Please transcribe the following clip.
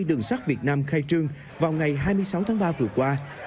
đường sắt việt nam khai trương vào ngày hai mươi sáu tháng ba vừa qua